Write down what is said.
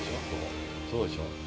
そうでしょ？